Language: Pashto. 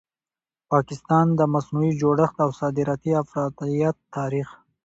پاکستان؛ د مصنوعي جوړښت او صادراتي افراطیت تاریخ